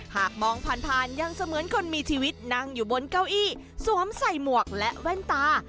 หากมองผ่านยังเสมือนคนมีชีวิตนั่งอยู่บนเก้าอี้สวมใส่หมวกและแว่นตา